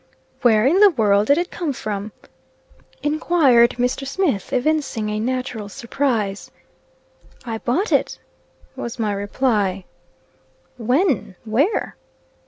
"Where in the world did it come from?" enquired Mr. Smith, evincing a natural surprise. "I bought it," was my reply. "When? where?"